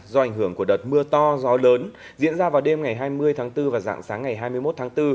do ảnh hưởng của đợt mưa to gió lớn diễn ra vào đêm ngày hai mươi tháng bốn và dạng sáng ngày hai mươi một tháng bốn